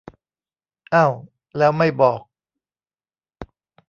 เอ้า แล้วไม่บอก